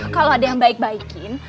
kalau ada yang baik baikin